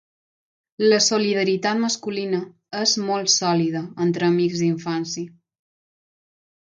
La solidaritat masculina és molt sòlida entre amics d'infància.